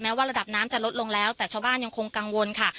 ว่าระดับน้ำจะลดลงแล้วแต่ชาวบ้านยังคงกังวลค่ะ